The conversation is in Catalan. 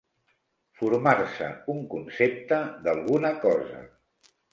Formar-se un concepte d'alguna cosa.